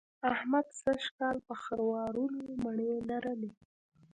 احمد سږ کال په خروارونو مڼې لرلې.